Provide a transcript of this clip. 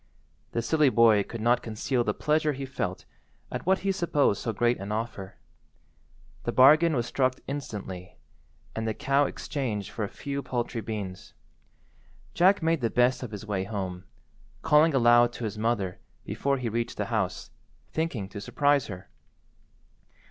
The silly boy could not conceal the pleasure he felt at what he supposed so great an offer. The bargain was struck instantly, and the cow exchanged for a few paltry beans. Jack made the best of his way home, calling aloud to his mother before he reached the house, thinking to surprise her.